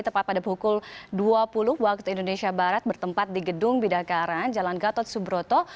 tepat pada pukul dua puluh waktu indonesia barat bertempat di gedung bidakara jalan gatot subroto